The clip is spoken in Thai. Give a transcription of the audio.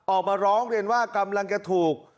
ออกมาร้องเรียนว่ากำลังจะถูก